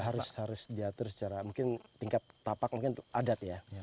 harus diatur secara mungkin tingkat tapak mungkin itu adat ya